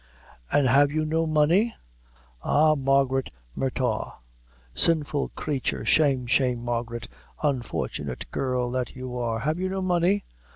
"An' have you no money? Ah, Margaret Murtagh! sinful creature shame, shame, Margaret. Unfortunate girl that you are, have you no money?"